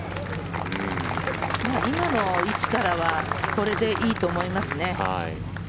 今の位置からはこれでいいと思いますね。